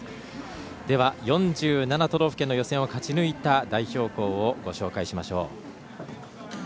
では、４７都道府県の予選を勝ち抜いたチームをご紹介しましょう。